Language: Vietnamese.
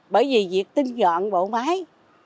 bởi vì việc tinh dọn bộ máy